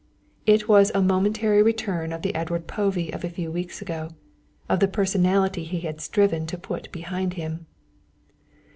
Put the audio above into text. It was a momentary return of the Edward Povey of a few weeks ago, of the personality he had striven to put behind him.